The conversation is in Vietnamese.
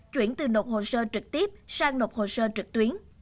chuyển từ nộp hồ sơ trực tiếp sang nộp hồ sơ trực tuyến